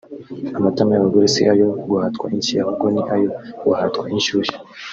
"Amatama y'abagore si ayo guhatwa inshyi ahubwo ni ayo guhatwa inshushyu